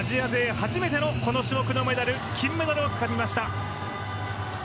初めてのこの種目のメダル金メダルをつかみました。